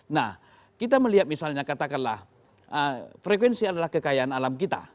nah kita melihat misalnya katakanlah frekuensi adalah kekayaan alam kita